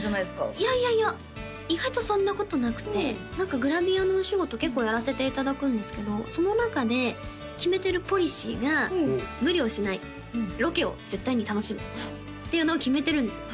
いやいやいや意外とそんなことなくて何かグラビアのお仕事結構やらせていただくんですけどその中で決めてるポリシーが「無理をしない」「ロケを絶対に楽しむ」っていうのを決めてるんですよ